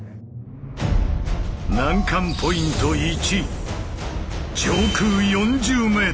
難関ポイント１。